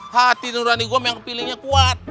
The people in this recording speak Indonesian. hati nurani gue memang pilihnya kuat